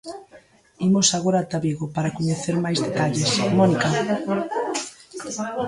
Imos agora ata Vigo para coñecer máis detalles, Mónica...